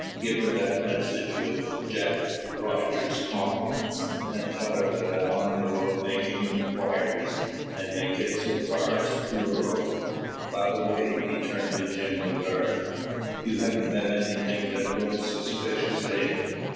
Give her that message, with Jack Rogers's compliments, and tell her that I'm on the road making inquiries, and may get so far as Truro. By the way" he turned to Jim the guard "you haven't met anything that looked suspicious, eh?"